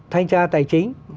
thanh tra tài chính